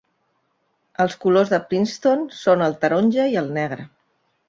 Els colors de Princeton són el taronja i el negre.